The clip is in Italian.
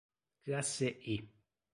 Classe I